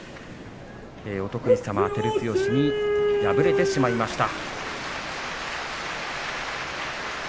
お得意様照強に敗れてしまいました。